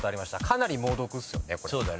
かなり猛毒っすよねこれ。